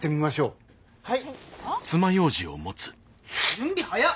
準備早っ。